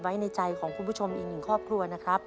ไว้ในใจของคุณผู้ชมอีกหนึ่งครอบครัวนะครับ